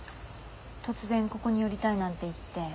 突然ここに寄りたいなんて言って。